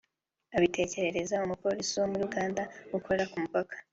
abitekerereza umupolisi wo muri Uganda ukora ku mupaka